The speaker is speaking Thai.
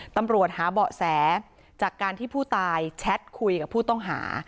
ตำรวจหาเบาะแสจากการที่ผู้ตายแชทคุยกับผู้ต้องหา